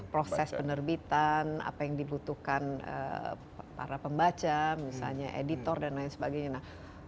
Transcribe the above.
proses penerbitan apa yang dibutuhkan para pembaca misalnya editor dan lain sebagainya